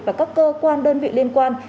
và các cơ quan đơn vị liên quan